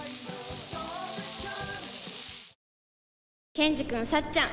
ケンジくんさっちゃん